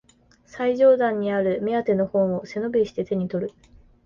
最上段にある目当ての本を背伸びして手にとる